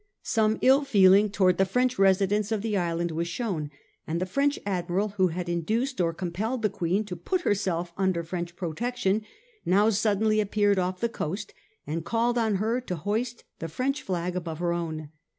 Some ill feeling towards the French residents of the island was shown ; and the French admiral, who had induced or compelled the queen to put herself under French protection, now suddenly appeared off the coast, and called on her to hoist the French flag above her own.